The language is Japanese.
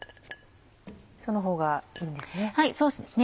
そのほうがいいんですね。